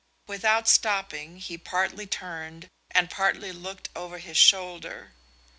Without stopping he partly turned and partly looked over his shoulder.